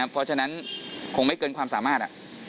เพราะฉะนั้นคงไม่เกินความสามารถ